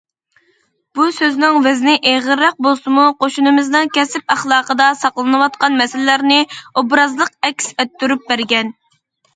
بۇ سۆزنىڭ ۋەزنى ئېغىرراق بولسىمۇ، قوشۇنىمىزنىڭ كەسىپ ئەخلاقىدا ساقلىنىۋاتقان مەسىلىلەرنى ئوبرازلىق ئەكس ئەتتۈرۈپ بەرگەن.